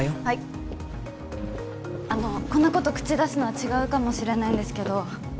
はいあのこんなこと口出すのは違うかもしれないんですけど